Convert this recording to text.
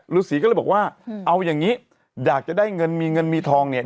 ฤษีก็เลยบอกว่าเอาอย่างนี้อยากจะได้เงินมีเงินมีทองเนี่ย